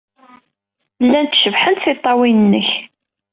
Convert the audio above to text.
Llant cebḥent tiṭṭawin-nnek.